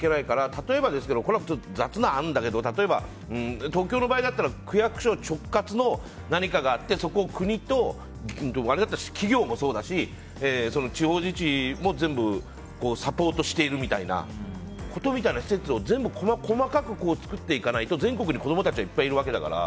例えばですけど雑な案だけど、例えば東京の場合なら区役所直轄の何かがあってそこを国と企業もそうだし地方自治も全部、サポートしているみたいな施設を全部細かく作っていかないと全国に子供たちはいっぱいいるわけだから。